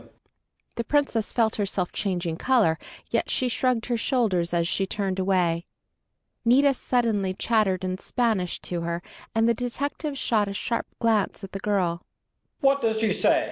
_"] The Princess felt herself changing color, yet she shrugged her shoulders as she turned away. Nita suddenly chattered in Spanish to her, and the detective shot a sharp glance at the girl.